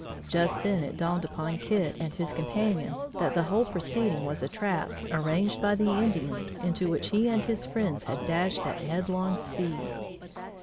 Just then it dawned upon Kit and his companions that the whole proceeding was a trap arranged by the Indians into which he and his friends had dashed at headlong speed.